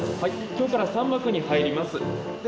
今日から３幕に入ります